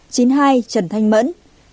chín mươi hai trần thanh mẫn